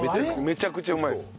めちゃくちゃうまいです。